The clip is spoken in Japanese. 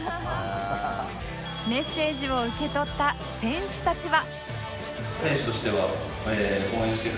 メッセージを受け取った選手たちは